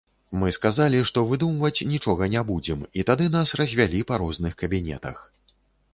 Мы сказалі, што выдумваць нічога не будзем, і тады нас развялі па розных кабінетах.